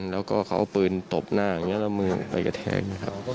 แล้วก็เขาเอาปืนตบหน้าอย่างนี้แล้วมือไปกระแทงนะครับ